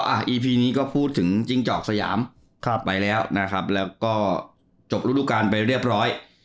อันที่นี้ก็พูดถึงจิงจอกสยามไปแล้วนะครับแล้วก็จบธุรการไปเรียบร้อย